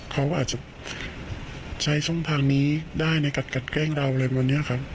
เขาอาจจะใช้ช่องทางนี้ได้ในการกันแกล้งเราอะไรวันนี้ครับ